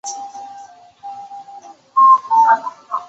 贝尔格莱尔恩是德国巴伐利亚州的一个市镇。